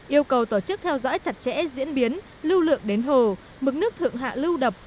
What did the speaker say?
yêu cầu tổ chức theo dõi chặt chẽ diễn biến lưu lượng đến hồ mức nước thượng hạ lưu đập